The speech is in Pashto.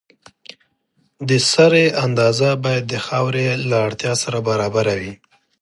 د سرې اندازه باید د خاورې له اړتیا سره برابره وي.